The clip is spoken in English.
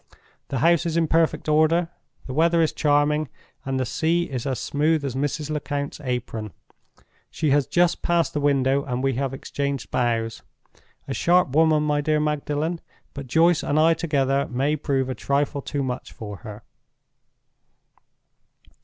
The house is in perfect order, the weather is charming, and the sea is as smooth as Mrs. Lecount's apron. She has just passed the window, and we have exchanged bows. A sharp woman, my dear Magdalen; but Joyce and I together may prove a trifle too much for her."